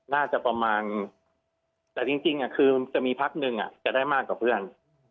น่าจะประมาณแต่จริงคือมันจะมีพักหนึ่งจะได้มากกว่าเพื่อน